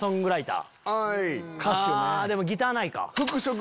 あでもギターないか。